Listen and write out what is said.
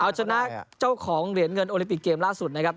เอาชนะเจ้าของเหรียญเงินโอลิปิกเกมล่าสุดนะครับ